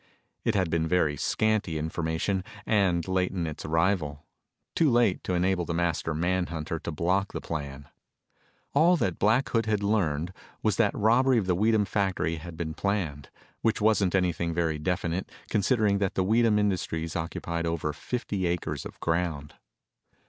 It had been very scanty information and late in its arrival too late to enable the master manhunter to block the plan. All that Black Hood had learned was that robbery of the Weedham factory had been planned, which wasn't anything very definite considering that the Weedham Industries occupied over fifty acres of ground.